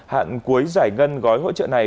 hạn cuối giải ngân gói hỗ trợ này